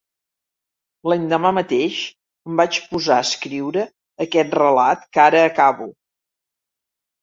L'endemà mateix em vaig posar a escriure aquest relat que ara acabo.